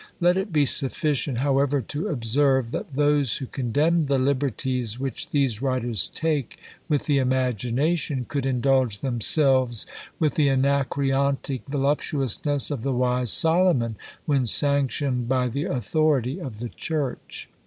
Let it be sufficient, however, to observe, that those who condemned the liberties which these writers take with the imagination could indulge themselves with the Anacreontic voluptuousness of the wise Solomon, when sanctioned by the authority of the church.